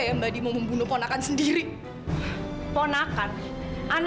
ya ampun akan